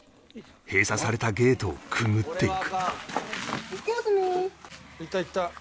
閉鎖されたゲートをくぐっていく